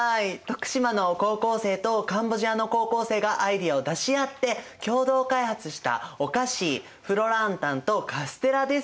徳島の高校生とカンボジアの高校生がアイデアを出し合って共同開発したお菓子フロランタンとカステラです！